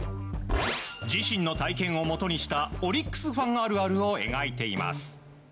自身の体験をもとにしたオリックスファンあるあるを描いています。